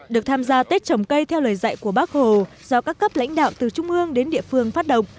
được tham gia tết trồng cây theo lời dạy của bác hồ do các cấp lãnh đạo từ trung ương đến địa phương phát động